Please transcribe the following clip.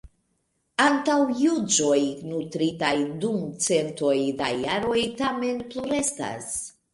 Antaŭjuĝoj nutritaj dum centoj da jaroj tamen plurestas.